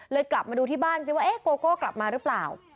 กลับมาดูที่บ้านซิว่าโกโก้กลับมาหรือเปล่า